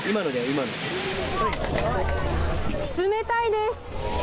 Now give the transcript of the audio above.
冷たいです。